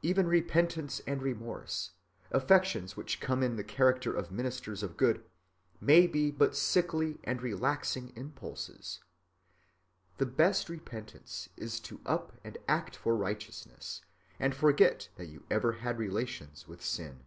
Even repentance and remorse, affections which come in the character of ministers of good, may be but sickly and relaxing impulses. The best repentance is to up and act for righteousness, and forget that you ever had relations with sin.